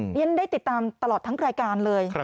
ฉันได้ติดตามตลอดทั้งรายการเลย